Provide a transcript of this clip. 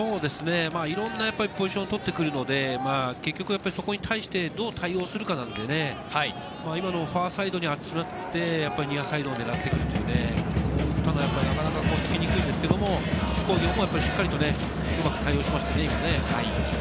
いろんなポジションを取ってくるので、そこに対してどう対応するかなのでね、今のファーサイドに集まって、ニアサイドを狙ってくるというね、こういったのはなかなかつきにくいんですけれども、津工業もしっかりとうまく対応しましたね。